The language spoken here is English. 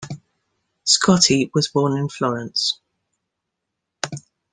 Scotti was born in Florence.